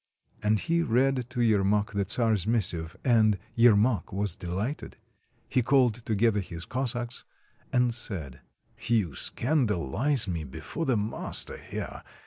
And he read to Yermak the czar's missive, and Yer mak was dehghted ; he called together his Cossacks, and said :— "You scandalize me before the master here.